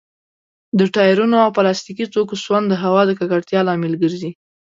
د ټايرونو او پلاستيکي توکو سون د هوا د ککړتيا لامل ګرځي.